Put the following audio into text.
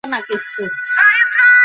কুসুম কি বেঁচে আছে?